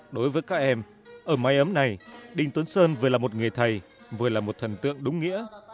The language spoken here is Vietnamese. đối với các em ở mái ấm này đình tuấn sơn vừa là một người thầy vừa là một thần tượng đúng nghĩa